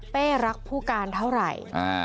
รักผู้การเท่าไหร่